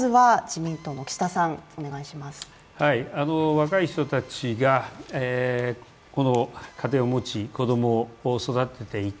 若い人たちが、この家庭を持ち子供を育てていく。